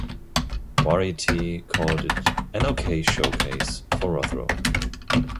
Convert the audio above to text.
"Variety" called it "an okay showcase" for Rothrock.